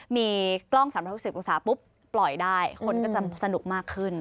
มีกล้อง๓๖๐องศาปุ๊บปล่อยได้คนก็จะสนุกมากขึ้น